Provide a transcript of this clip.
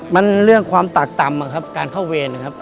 มันเรื่องความตากต่ำการเข้าเวรครับ